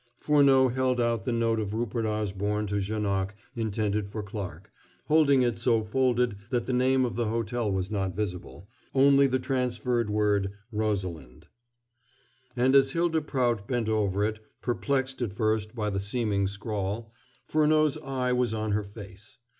Furneaux held out the note of Rupert Osborne to Janoc intended for Clarke, holding it so folded that the name of the hotel was not visible only the transferred word "Rosalind." And as Hylda Prout bent over it, perplexed at first by the seeming scrawl, Furneaux's eye was on her face.